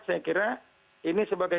saya kira ini sebagai